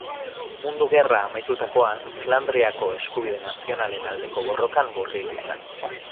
Mundu Gerra amaitutakoan Flandriako eskubide nazionalen aldeko borrokan murgildu zen.